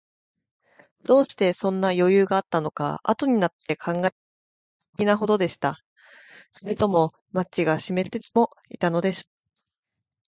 どうして、そんなよゆうがあったのか、あとになって考えてみると、ふしぎなほどでした。それともマッチがしめってでもいたのでしょうか。